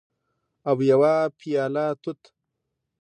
او یوه پیاله توت